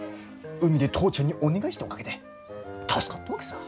海で父ちゃんにお願いしたおかげで助かったわけさぁ。